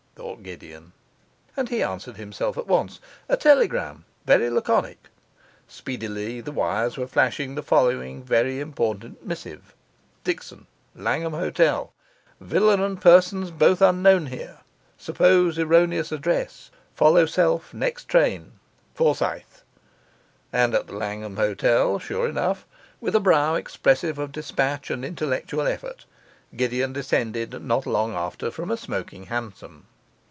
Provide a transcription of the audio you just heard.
thought Gideon; and he answered himself at once: 'A telegram, very laconic.' Speedily the wires were flashing the following very important missive: 'Dickson, Langham Hotel. Villa and persons both unknown here, suppose erroneous address; follow self next train. Forsyth.' And at the Langham Hotel, sure enough, with a brow expressive of dispatch and intellectual effort, Gideon descended not long after from a smoking hansom.